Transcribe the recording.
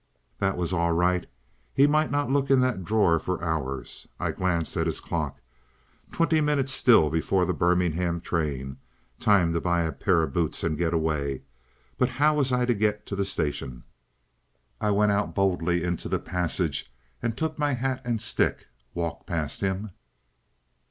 That was all right. He might not look in that drawer for hours. I glanced at his clock. Twenty minutes still before the Birmingham train. Time to buy a pair of boots and get away. But how I was to get to the station? I went out boldly into the passage, and took my hat and stick. ... Walk past him?